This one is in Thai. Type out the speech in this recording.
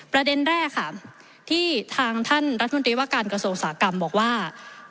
ประเด็นแรกค่ะที่ทางท่านรัฐมนตรีว่าการกระทรวงอุตสาหกรรมบอกว่า